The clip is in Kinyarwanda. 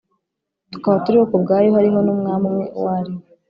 Tukaba turiho ku bwayo hariho n umwami umwe uwo ari we